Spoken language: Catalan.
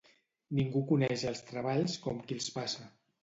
Ningú coneix els treballs com qui els passa.